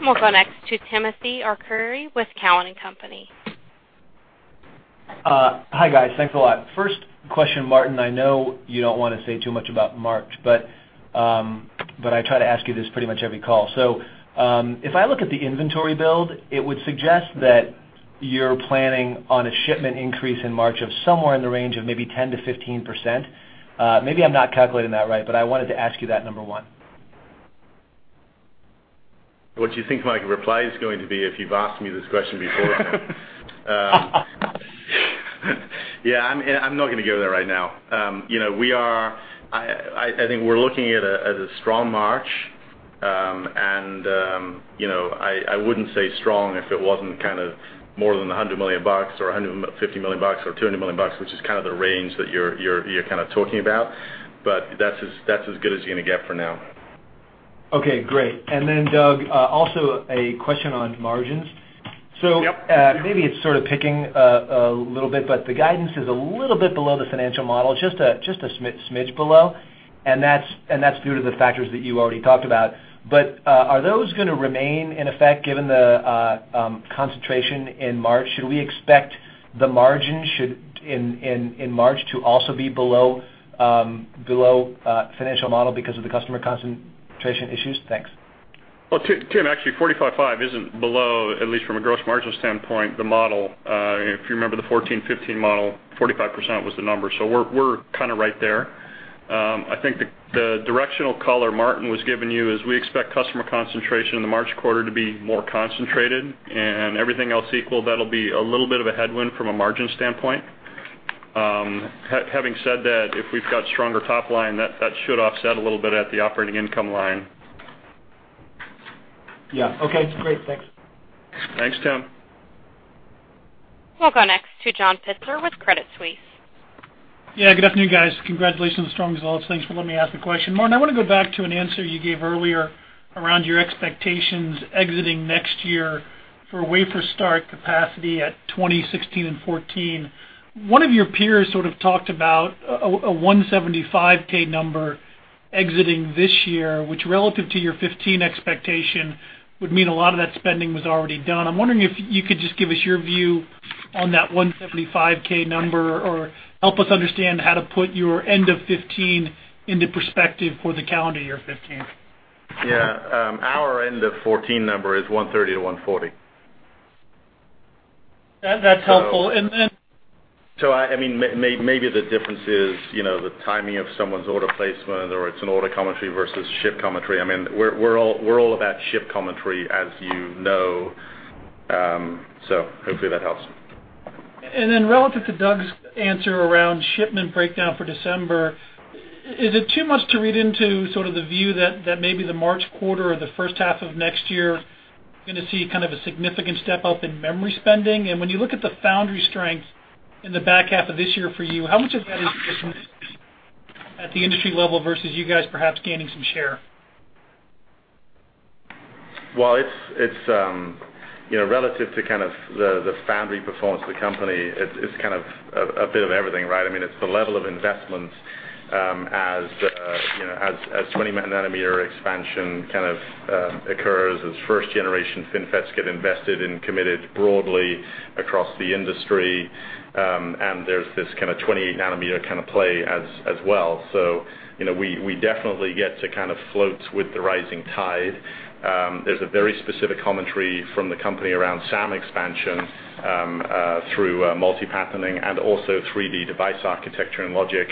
Speaker 1: We'll go next to Timothy Arcuri with Cowen and Company.
Speaker 10: Hi, guys. Thanks a lot. First question, Martin, I know you don't want to say too much about March. I try to ask you this pretty much every call. If I look at the inventory build, it would suggest that you're planning on a shipment increase in March of somewhere in the range of maybe 10%-15%. Maybe I'm not calculating that right. I wanted to ask you that, number one.
Speaker 3: What do you think my reply is going to be if you've asked me this question before, Tim? Yeah, I'm not going to go there right now. I think we're looking at it as a strong March. I wouldn't say strong if it wasn't more than $100 million or $150 million or $200 million, which is the range that you're talking about. That's as good as you're going to get for now.
Speaker 10: Okay, great. Doug, also a question on margins.
Speaker 4: Yep.
Speaker 10: Maybe it's sort of picking a little bit. The guidance is a little bit below the financial model, just a smidge below. That's due to the factors that you already talked about. Are those going to remain in effect given the concentration in March? Should we expect the margin in March to also be below financial model because of the customer concentration issues? Thanks.
Speaker 4: Well, Tim, actually, 45.5% isn't below, at least from a gross margin standpoint, the model. If you remember the 14, 15 model, 45% was the number, we're right there. I think the directional color Martin was giving you is we expect customer concentration in the March quarter to be more concentrated, everything else equal, that'll be a little bit of a headwind from a margin standpoint. Having said that, if we've got stronger top line, that should offset a little bit at the operating income line.
Speaker 10: Yeah. Okay, great. Thanks.
Speaker 4: Thanks, Tim.
Speaker 1: We'll go next to John Pitzer with Credit Suisse.
Speaker 11: Good afternoon, guys. Congratulations on the strong results. Thanks for letting me ask the question. Martin, I want to go back to an answer you gave earlier around your expectations exiting next year for wafer start capacity at 2016 and 2014. One of your peers sort of talked about a 175K number exiting this year, which relative to your 2015 expectation would mean a lot of that spending was already done. I'm wondering if you could just give us your view on that 175K number, or help us understand how to put your end of 2015 into perspective for the calendar year 2015.
Speaker 3: Our end of 2014 number is 130 to 140.
Speaker 11: That's helpful.
Speaker 3: Maybe the difference is the timing of someone's order placement, or it's an order commentary versus ship commentary. We're all about ship commentary, as you know. Hopefully that helps.
Speaker 11: Relative to Doug's answer around shipment breakdown for December, is it too much to read into sort of the view that maybe the March quarter or the first half of next year going to see kind of a significant step up in memory spending? When you look at the foundry strength in the back half of this year for you, how much of that is just at the industry level versus you guys perhaps gaining some share?
Speaker 3: Well, it's relative to kind of the foundry performance of the company. It's kind of a bit of everything, right? It's the level of investment as 20-nanometer expansion kind of occurs, as first generation FinFETs get invested and committed broadly across the industry. There's this kind of 28-nanometer kind of play as well. We definitely get to kind of float with the rising tide. There's a very specific commentary from the company around SAM expansion through multi-patterning and also 3D device architecture and logic.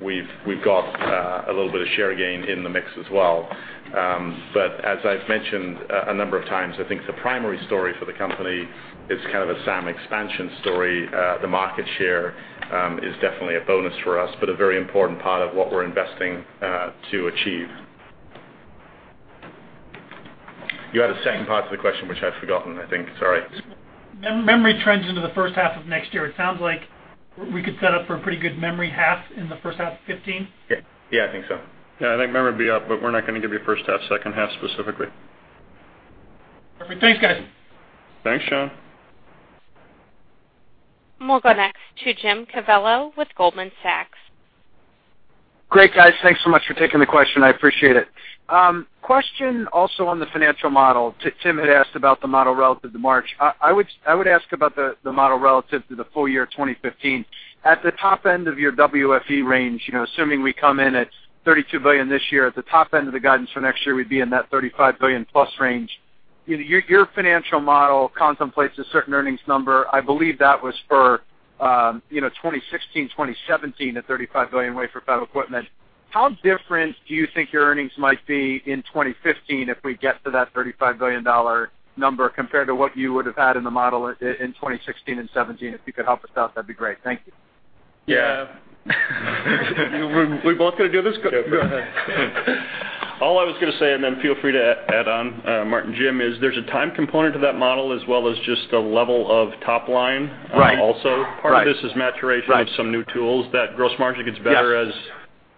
Speaker 3: We've got a little bit of share gain in the mix as well. As I've mentioned a number of times, I think the primary story for the company is kind of a SAM expansion story. The market share is definitely a bonus for us, but a very important part of what we're investing to achieve. You had a second part to the question, which I've forgotten, I think. Sorry.
Speaker 11: Memory trends into the first half of next year. It sounds like we could set up for a pretty good memory half in the first half 2015.
Speaker 3: Yeah, I think so.
Speaker 4: Yeah, I think memory will be up, but we're not going to give you first half, second half specifically.
Speaker 11: Perfect. Thanks, guys.
Speaker 4: Thanks, Sean.
Speaker 1: We'll go next to Jim Cavallo with Goldman Sachs.
Speaker 12: Great, guys. Thanks so much for taking the question. I appreciate it. Question also on the financial model. Tim had asked about the model relative to March. I would ask about the model relative to the full year 2015. At the top end of your WFE range, assuming we come in at $32 billion this year, at the top end of the guidance for next year, we'd be in that $35 billion plus range. Your financial model contemplates a certain earnings number. I believe that was for 2016, 2017, at $35 billion wafer fab equipment. How different do you think your earnings might be in 2015 if we get to that $35 billion number compared to what you would have had in the model in 2016 and 2017? If you could help us out, that'd be great. Thank you.
Speaker 3: Yeah.
Speaker 4: We both going to do this? Go ahead. All I was going to say, and then feel free to add on, Martin. Jim, is there's a time component to that model as well as just the level of top line.
Speaker 12: Right.
Speaker 4: Also, part of this is maturation-
Speaker 12: Right
Speaker 4: of some new tools. That gross margin gets better-
Speaker 12: Yes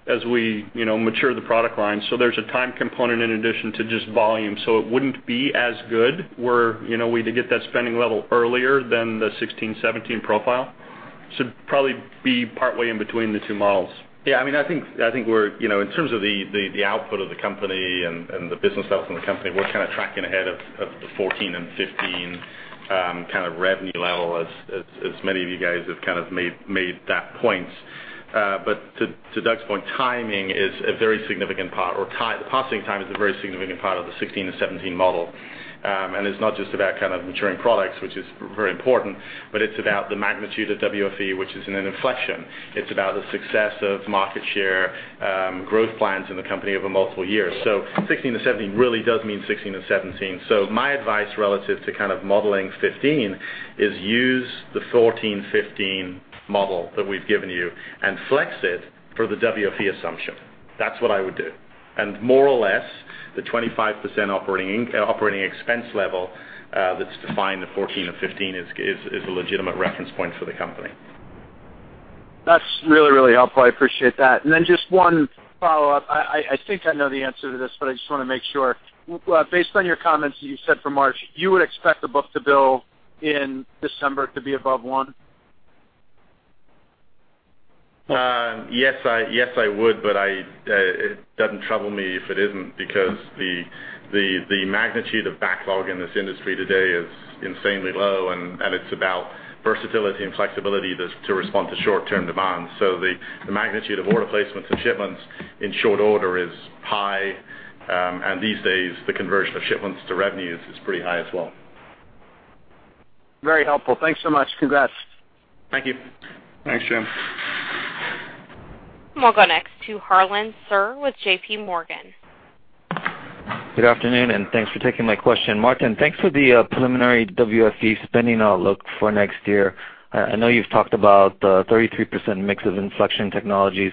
Speaker 4: as we mature the product line. There's a time component in addition to just volume. It wouldn't be as good were we to get that spending level earlier than the 2016, 2017 profile. Should probably be partway in between the two models.
Speaker 3: Yeah, I think in terms of the output of the company and the business development of the company, we're tracking ahead of the 2014 and 2015 revenue level as many of you guys have made that point. To Doug's point, timing is a very significant part, or passing time is a very significant part of the 2016 to 2017 model. It's not just about maturing products, which is very important, but it's about the magnitude of WFE, which is in an inflection. It's about the success of market share, growth plans in the company over multiple years. 2016 to 2017 really does mean 2016 to 2017. My advice relative to modeling 2015 is use the 2014, 2015 model that we've given you and flex it for the WFE assumption. That's what I would do. More or less, the 25% operating expense level that's defined in the 2014 and 2015 is a legitimate reference point for the company.
Speaker 12: That's really, really helpful. I appreciate that. Then just one follow-up. I think I know the answer to this, but I just want to make sure. Based on your comments that you said for March, you would expect the book-to-bill in December to be above one?
Speaker 3: Yes, I would, but it doesn't trouble me if it isn't because the magnitude of backlog in this industry today is insanely low, and it's about versatility and flexibility to respond to short-term demands. The magnitude of order placements and shipments in short order is high, and these days, the conversion of shipments to revenue is pretty high as well.
Speaker 12: Very helpful. Thanks so much. Congrats.
Speaker 3: Thank you.
Speaker 4: Thanks, Jim.
Speaker 1: We'll go next to Harlan Sur with JPMorgan.
Speaker 13: Good afternoon. Thanks for taking my question. Martin, thanks for the preliminary WFE spending outlook for next year. I know you've talked about the 33% mix of inflection technologies.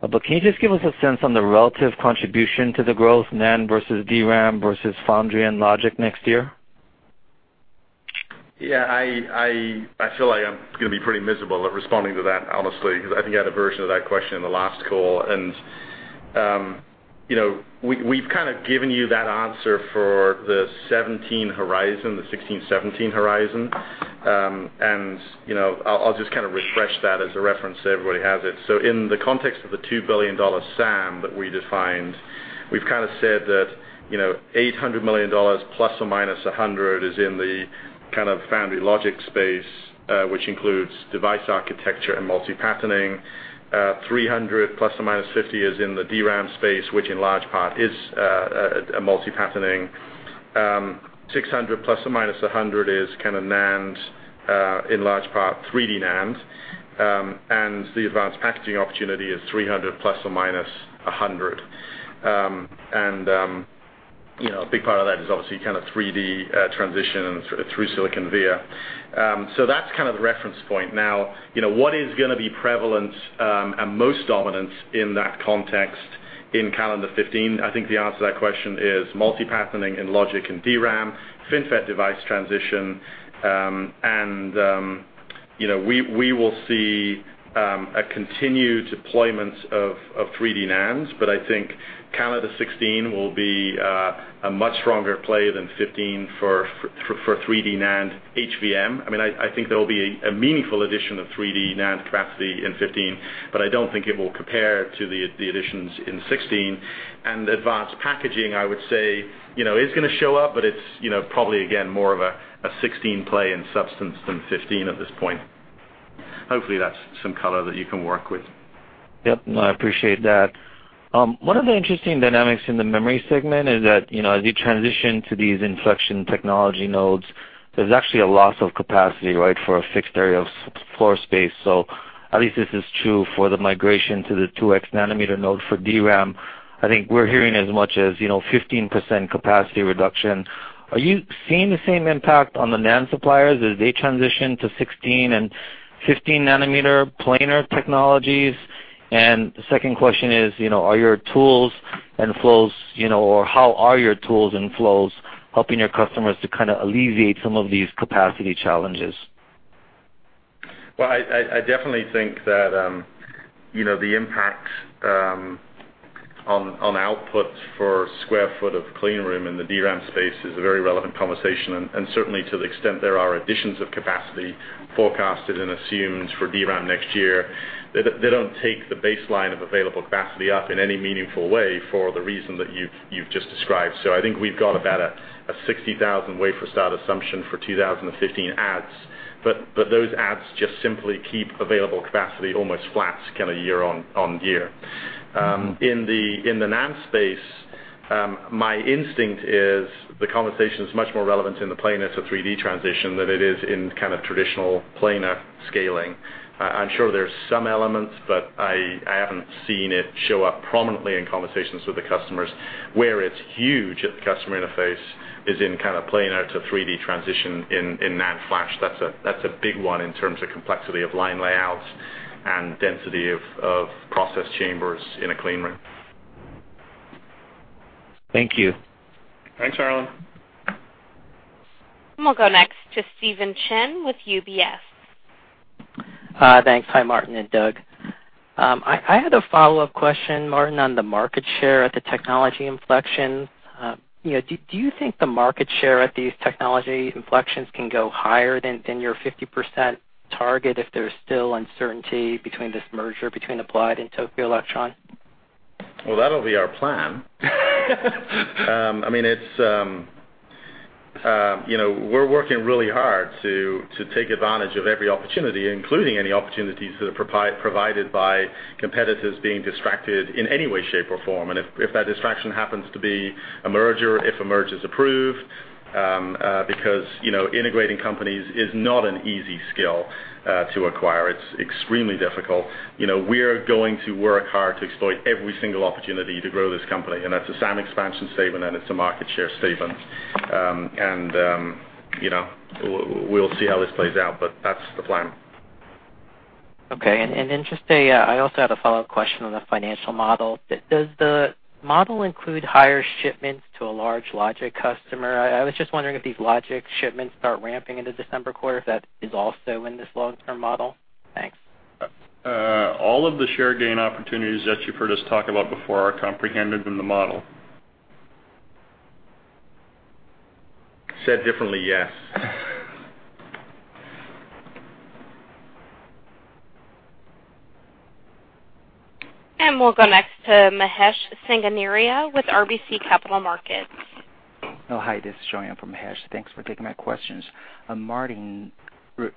Speaker 13: Can you just give us a sense on the relative contribution to the growth, NAND versus DRAM versus foundry and logic next year?
Speaker 3: I feel like I'm going to be pretty miserable at responding to that, honestly. I think you had a version of that question in the last call. We've kind of given you that answer for the 2017 horizon, the 2016, 2017 horizon. I'll just kind of refresh that as a reference so everybody has it. In the context of the $2 billion SAM that we defined, we've kind of said that $800 million ±$100 million is in the kind of foundry logic space, which includes device architecture and multi-patterning. $300 million ±$50 million is in the DRAM space, which in large part is a multi-patterning. $600 million ±$100 million is kind of NAND, in large part 3D NAND. The advanced packaging opportunity is $300 million ±$100 million. A big part of that is obviously kind of 3D transition through-silicon via. That's kind of the reference point. What is going to be prevalent and most dominant in that context in calendar 2015? I think the answer to that question is multi-patterning in logic and DRAM, FinFET device transition. We will see a continued deployment of 3D NAND, but I think calendar 2016 will be a much stronger play than 2015 for 3D NAND HVM. I think there'll be a meaningful addition of 3D NAND capacity in 2015, but I don't think it will compare to the additions in 2016. Advanced packaging, I would say, is going to show up, but it's probably, again, more of a 2016 play in substance than 2015 at this point. Hopefully that's some color that you can work with.
Speaker 13: Yep. No, I appreciate that. One of the interesting dynamics in the memory segment is that, as you transition to these inflection technology nodes, there's actually a loss of capacity for a fixed area of floor space. At least this is true for the migration to the 2X nanometer node for DRAM. I think we're hearing as much as 15% capacity reduction. Are you seeing the same impact on the NAND suppliers as they transition to 16 and 15 nanometer planar technologies? The second question is, are your tools and flows, or how are your tools and flows helping your customers to kind of alleviate some of these capacity challenges?
Speaker 3: I definitely think that the impact on output for square foot of clean room in the DRAM space is a very relevant conversation, certainly to the extent there are additions of capacity forecasted and assumed for DRAM next year, they don't take the baseline of available capacity up in any meaningful way for the reason that you've just described. I think we've got about a 60,000 wafer start assumption for 2015 adds, but those adds just simply keep available capacity almost flat year-on-year. In the NAND space, my instinct is the conversation is much more relevant in the planar to 3D transition than it is in kind of traditional planar scaling. I'm sure there's some elements, but I haven't seen it show up prominently in conversations with the customers. Where it's huge at the customer interface is in kind of planar to 3D transition in NAND flash. That's a big one in terms of complexity of line layouts and density of process chambers in a clean room.
Speaker 13: Thank you.
Speaker 3: Thanks, Harlan.
Speaker 1: We'll go next to Stephen Chin with UBS.
Speaker 14: Hi. Thanks. Hi, Martin and Doug. I had a follow-up question, Martin, on the market share at the technology inflection. Do you think the market share at these technology inflections can go higher than your 50% target if there's still uncertainty between this merger between Applied and Tokyo Electron?
Speaker 3: Well, that'll be our plan. We're working really hard to take advantage of every opportunity, including any opportunities that are provided by competitors being distracted in any way, shape, or form, and if that distraction happens to be a merger, if a merger's approved, because integrating companies is not an easy skill to acquire. It's extremely difficult. We're going to work hard to exploit every single opportunity to grow this company, and that's a SAM expansion statement, and it's a market share statement. We'll see how this plays out, but that's the plan.
Speaker 14: Okay. Then just I also had a follow-up question on the financial model. Does the model include higher shipments to a large logic customer? I was just wondering if these logic shipments start ramping into December quarter, if that is also in this long-term model. Thanks.
Speaker 3: All of the share gain opportunities that you've heard us talk about before are comprehended in the model. Said differently, yes.
Speaker 1: We'll go next to Mahesh Sanganeria with RBC Capital Markets.
Speaker 15: Hi, this is Joan from Mahesh. Thanks for taking my questions. Martin,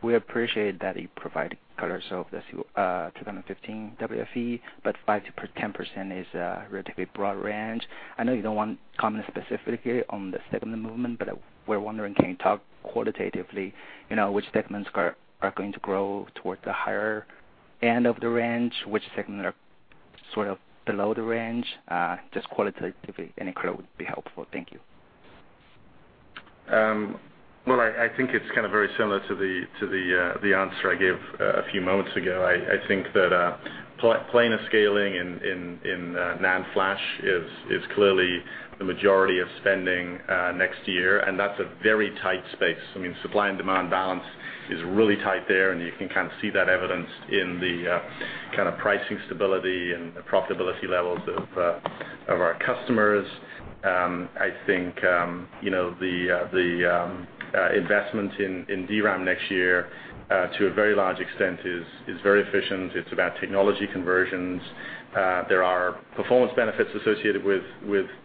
Speaker 15: we appreciate that you provided color. 215 WFE, 5%-10% is a relatively broad range. I know you don't want to comment specifically on the segment movement. We're wondering, can you talk qualitatively which segments are going to grow towards the higher end of the range, which segments are sort of below the range, just qualitatively, any color would be helpful. Thank you.
Speaker 3: I think it's kind of very similar to the answer I gave a few moments ago. I think that planar scaling in NAND flash is clearly the majority of spending next year. That's a very tight space. Supply and demand balance is really tight there. You can kind of see that evidenced in the kind of pricing stability and the profitability levels of our customers. I think the investment in DRAM next year, to a very large extent, is very efficient. It's about technology conversions. There are performance benefits associated with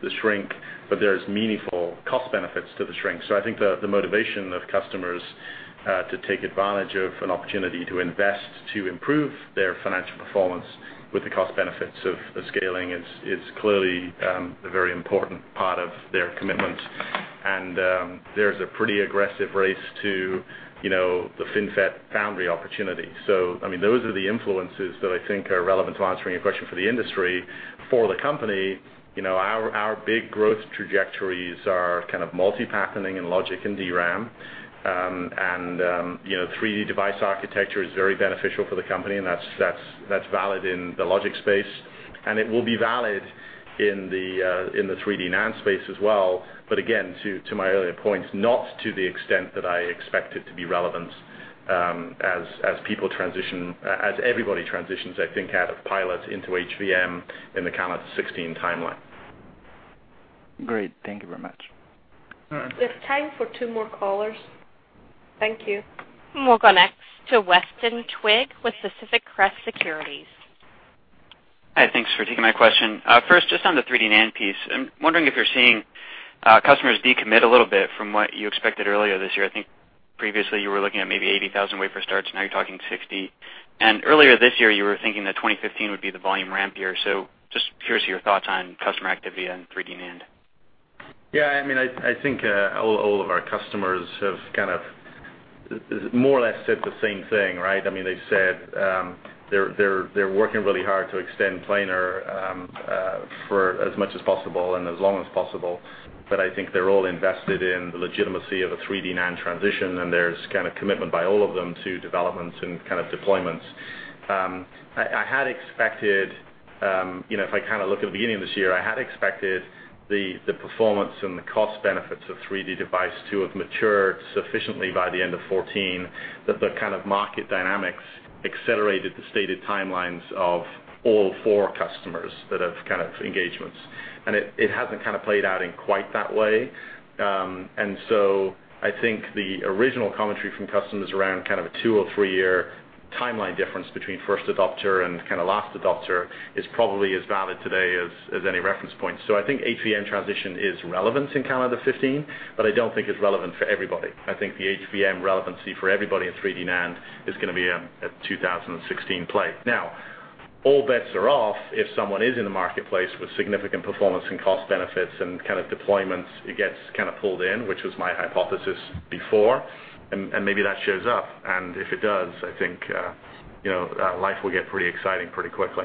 Speaker 3: the shrink. There's meaningful cost benefits to the shrink. I think the motivation of customers to take advantage of an opportunity to invest, to improve their financial performance with the cost benefits of scaling is clearly a very important part of their commitment. There's a pretty aggressive race to the FinFET foundry opportunity. Those are the influences that I think are relevant to answering your question for the industry. For the company, our big growth trajectories are kind of multi-patterning and logic and DRAM. 3D device architecture is very beneficial for the company. That's valid in the logic space. It will be valid in the 3D NAND space as well, again, to my earlier points, not to the extent that I expect it to be relevant as everybody transitions, I think, out of pilot into HVM in the calendar 2016 timeline.
Speaker 4: Great. Thank you very much.
Speaker 3: All right.
Speaker 2: There's time for two more callers. Thank you.
Speaker 1: We'll go next to Weston Twigg with Pacific Crest Securities.
Speaker 16: Hi. Thanks for taking my question. First, just on the 3D NAND piece, I'm wondering if you're seeing customers decommit a little bit from what you expected earlier this year. I think previously you were looking at maybe 80,000 wafer starts, now you're talking 60. Earlier this year, you were thinking that 2015 would be the volume ramp year. Just curious your thoughts on customer activity and 3D NAND.
Speaker 3: Yeah, I think all of our customers have more or less said the same thing, right? They've said they're working really hard to extend planar for as much as possible and as long as possible. I think they're all invested in the legitimacy of a 3D NAND transition, there's kind of commitment by all of them to developments and kind of deployments. If I look at the beginning of this year, I had expected the performance and the cost benefits of 3D device to have matured sufficiently by the end of 2014, that the kind of market dynamics accelerated the stated timelines of all four customers that have kind of engagements. It hasn't played out in quite that way. I think the original commentary from customers around kind of a two- or three-year timeline difference between first adopter and kind of last adopter is probably as valid today as any reference point. I think HVM transition is relevant in calendar 2015, I don't think it's relevant for everybody. I think the HVM relevancy for everybody in 3D NAND is going to be a 2016 play. Now, all bets are off if someone is in the marketplace with significant performance and cost benefits and kind of deployments, it gets kind of pulled in, which was my hypothesis before, and maybe that shows up, and if it does, I think life will get pretty exciting pretty quickly.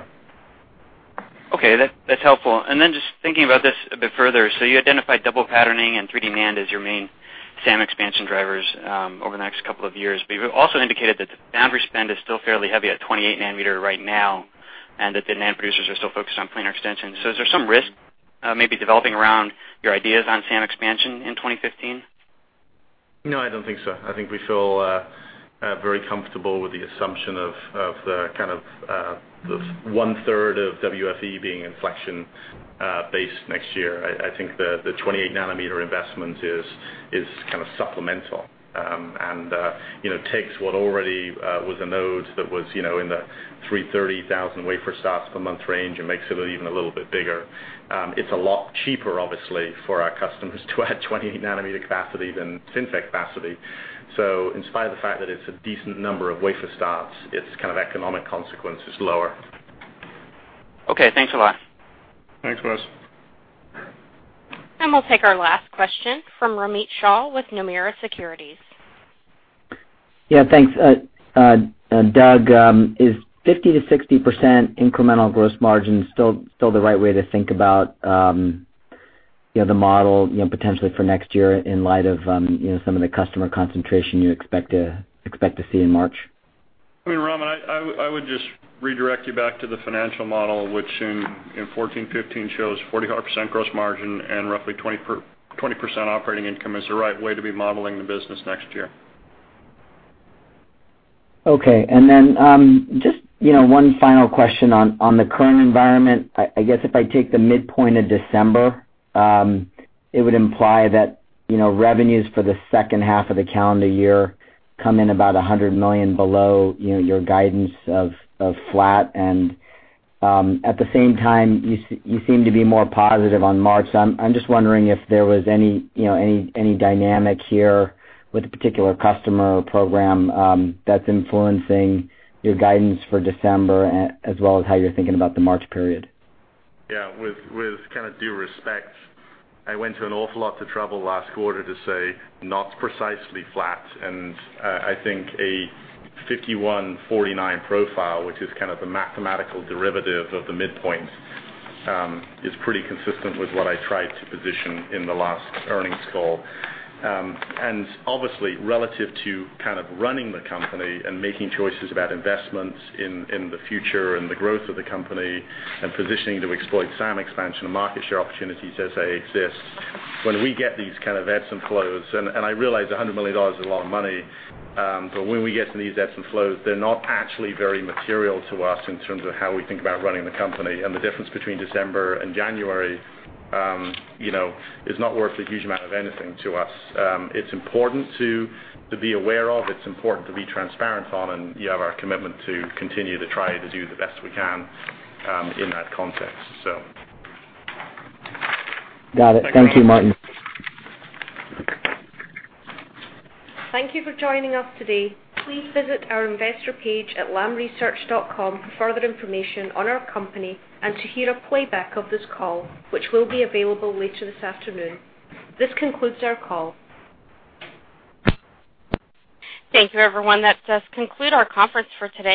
Speaker 16: Okay, that's helpful. Just thinking about this a bit further. You identified double patterning and 3D NAND as your main SAM expansion drivers over the next couple of years, you've also indicated that the foundry spend is still fairly heavy at 28 nanometer right now, that the NAND producers are still focused on planar extension. Is there some risk maybe developing around your ideas on SAM expansion in 2015?
Speaker 3: No, I don't think so. I think we feel very comfortable with the assumption of the kind of the one-third of WFE being inflection based next year. I think the 28 nanometer investment is kind of supplemental. Takes what already was a node that was in the 330,000 wafer starts per month range, and makes it even a little bit bigger. It's a lot cheaper, obviously, for our customers to add 20 nanometer capacity than FinFET capacity. In spite of the fact that it's a decent number of wafer starts, its kind of economic consequence is lower.
Speaker 16: Okay, thanks a lot.
Speaker 4: Thanks, Wes.
Speaker 1: We'll take our last question from Romit Shah with Nomura Securities.
Speaker 17: Yeah. Thanks. Doug, is 50%-60% incremental gross margin still the right way to think about the model potentially for next year in light of some of the customer concentration you expect to see in March?
Speaker 4: I mean, Ram, I would just redirect you back to the financial model, which in 2014-2015 shows 40% odd gross margin and roughly 20% operating income as the right way to be modeling the business next year.
Speaker 17: Okay. Then just one final question on the current environment. I guess if I take the midpoint of December, it would imply that revenues for the second half of the calendar year come in about $100 million below your guidance of flat and at the same time, you seem to be more positive on March. I'm just wondering if there was any dynamic here with a particular customer or program that's influencing your guidance for December as well as how you're thinking about the March period.
Speaker 3: Yeah, with kind of due respect, I went to an awful lot of trouble last quarter to say not precisely flat. I think a 51/49 profile, which is kind of the mathematical derivative of the midpoint, is pretty consistent with what I tried to position in the last earnings call. Obviously, relative to kind of running the company and making choices about investments in the future and the growth of the company and positioning to exploit SAM expansion and market share opportunities as they exist. When we get these kind of ebbs and flows, I realize $100 million is a lot of money, but when we get these ebbs and flows, they're not actually very material to us in terms of how we think about running the company. The difference between December and January is not worth a huge amount of anything to us. It's important to be aware of, it's important to be transparent on. You have our commitment to continue to try to do the best we can in that context.
Speaker 17: Got it. Thank you, Martin.
Speaker 2: Thank you for joining us today. Please visit our investor page at lamresearch.com for further information on our company and to hear a playback of this call, which will be available later this afternoon. This concludes our call.
Speaker 1: Thank you, everyone. That does conclude our conference for today.